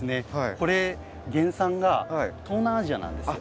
これ原産が東南アジアなんですよ。